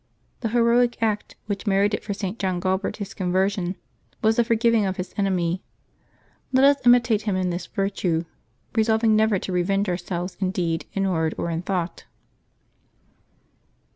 — The heroic act which merited for St. John Gualbert his conversion was the forgiveness of his enemy. Let us imitate him in this virtue^, resolving never to revenge ourselves in deed, in word, or in thought.